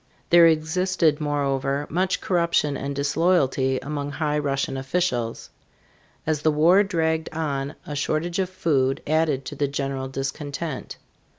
There existed, moreover, much corruption and disloyalty among high Russian officials. As the war dragged on a shortage of food added to the general discontent.